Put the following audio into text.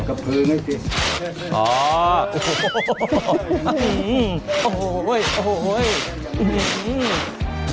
กระพื้นให้จริง